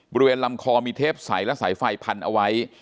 บริเวณลำคอมีเทปใสและสายไฟพันเอาไว้